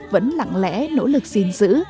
vẫn lặng lẽ nỗ lực xin giữ